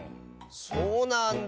そうなんだ。